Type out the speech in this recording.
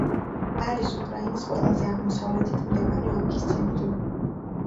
არის უკრაინის ყველაზე აღმოსავლეთით მდებარე ოლქის ცენტრი.